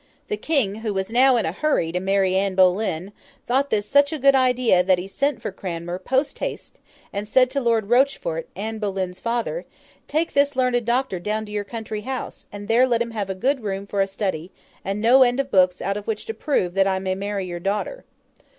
The King, who was now in a hurry to marry Anne Boleyn, thought this such a good idea, that he sent for Cranmer, post haste, and said to Lord Rochfort, Anne Boleyn's father, 'Take this learned Doctor down to your country house, and there let him have a good room for a study, and no end of books out of which to prove that I may marry your daughter.